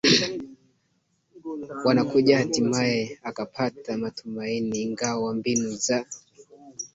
wanakuja Hatimaye akapata matumaini Ingawa mbinu za